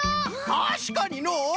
たしかにのう！